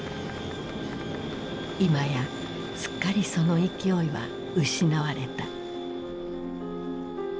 いまやすっかりその勢いは失われた。